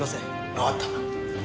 わかった。